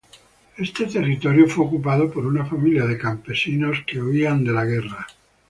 Este territorio fue ocupado por una familia de campesinos que huían de alguna guerra.